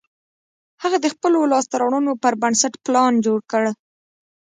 هغه د خپلو لاسته رواړنو پر بنسټ پلان جوړ کړ